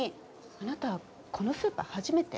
あなたこのスーパー初めて？